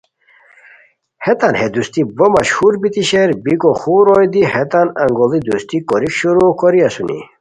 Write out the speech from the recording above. ہیتان ہے دوستی بو مشہور بیتی شیر، بیکو خور روئے دی ہیتان اونگوڑی دوستی کوریک شروغ کوری اسونی